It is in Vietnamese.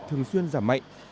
thường xuyên giảm mạnh